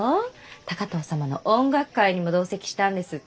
高藤様の音楽会にも同席したんですって？